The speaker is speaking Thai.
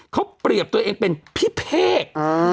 เขาเปรียบตัวเองเป็นพี่เพศ